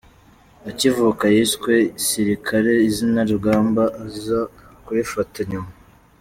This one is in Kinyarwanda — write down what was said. Akivuka yiswe Sirikare izina Rugamba aza kurifata nyuma.